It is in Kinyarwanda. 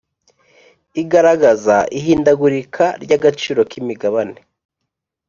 igaragaza ihindagurika ry agaciro k imigabane